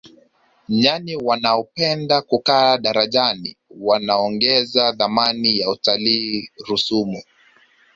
nyani wanaopenda kukaa darajani wanaongeza thamani ya utalii rusumo